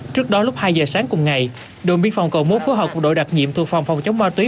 trước đó lúc hai giờ sáng cùng ngày đội biên phòng cầu mốt phối hợp cùng đội đặc nhiệm thuộc phòng phòng chống ma túy